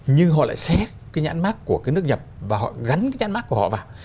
nhưng họ lại xét cái nhãn mát của cái nước nhập và họ gắn cái nhãn mát của họ vào